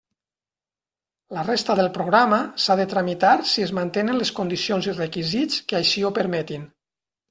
La resta del programa s'ha de tramitar si es mantenen les condicions i requisits que així ho permetin.